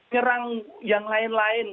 nyerang yang lain lain